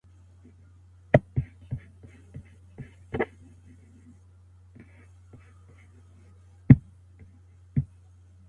نو ځکه دغه واک نارينه ته سپارل سوي دي.